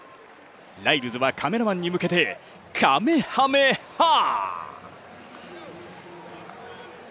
ライルズはカメラマンに向けてかめはめ波！